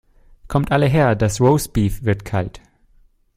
Kommt alle her das Roastbeef wird kalt.